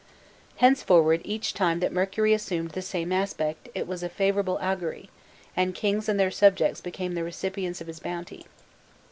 Henceforward, each time that Mercury assumed the same aspect it was of favourable augury, and kings and their subjects became the recipients of his bounty.